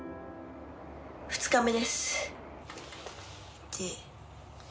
２日目です。